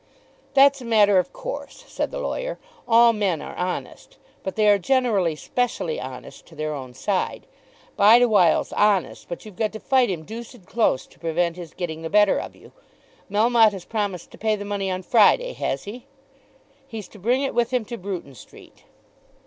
"That's a matter of course," said the lawyer. "All men are honest; but they are generally specially honest to their own side. Bideawhile's honest; but you've got to fight him deuced close to prevent his getting the better of you. Melmotte has promised to pay the money on Friday, has he?" "He's to bring it with him to Bruton Street."